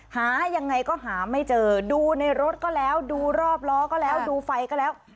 หายังไงก็หาไม่เจอดูในรถก็แล้วดูรอบล้อก็แล้วดูไฟก็แล้ว